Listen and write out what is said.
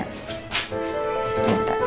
bukan beda kata kata